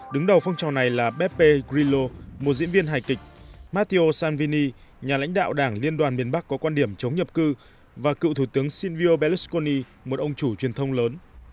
đứng đầu phong trào này là pepe grillo một diễn viên hài kịch matteo salvini nhà lãnh đạo đảng liên đoàn biển bắc có quan điểm chống nhập cư và cựu thủ tướng silvio berlusconi một ông chủ truyền thông lớn